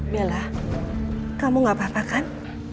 bella kamu gak apa apa kan